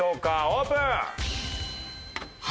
オープン！